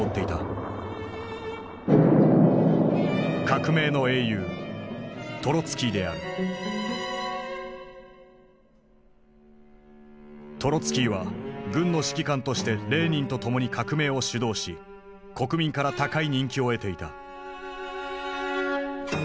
革命の英雄トロツキーは軍の指揮官としてレーニンと共に革命を主導し国民から高い人気を得ていた。